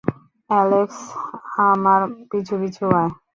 Alex, আমার পিছু পিছু আয়!